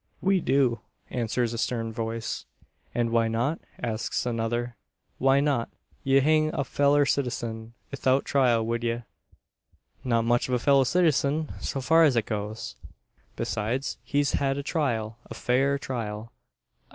"We do," answers a stern voice. "And why not?" asks another. "Why not! Ye'd hang a fellur citizen 'ithout trial, wud ye?" "Not much of a fellow citizen so far as that goes. Besides, he's had a trial a fair trial."